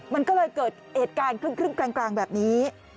มันก็เลยเกิดเอกตรายคลึ่งกลางแบบนี้